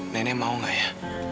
nenek mau gak ya